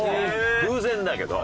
偶然だけど。